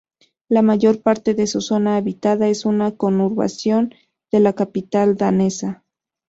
La mayor parte de su zona habitada es una conurbación de la capital danesa.